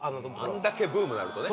あんだけブームになるとね。